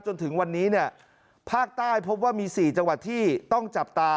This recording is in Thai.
จนถึงวันนี้เนี่ยภาคใต้พบว่ามี๔จังหวัดที่ต้องจับตา